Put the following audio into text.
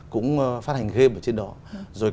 cũng phát hành game ở trên đó